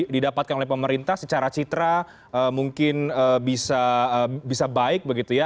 didapatkan oleh pemerintah secara citra mungkin bisa baik begitu ya